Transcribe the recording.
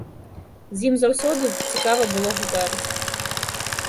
З ім заўсёды цікава было гутарыць.